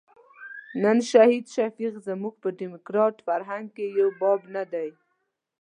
نن شهید شفیق زموږ په ډیموکراتیک فرهنګ کې یو باب نه دی.